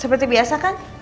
seperti biasa kan